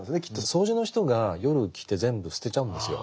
掃除の人が夜来て全部捨てちゃうんですよ。